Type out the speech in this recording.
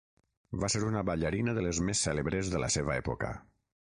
Va ser una ballarina de les més cèlebres de la seva època.